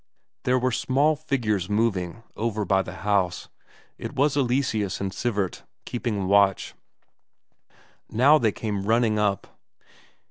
There were small figures moving, over by the house; it was Eleseus and Sivert, keeping watch. Now they came running up.